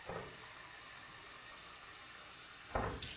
প্রকৃতির সহিত সংগ্রাম সতত চলিতেছে।